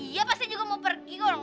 iya iya iya iya pasti juga mau pergi dong